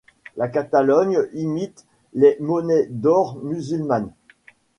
La Catalogne imite les monnaies d’or musulmanes.